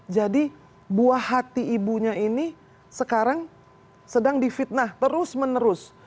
jadi buah hati ibunya ini sekarang sedang difitnah terus menerus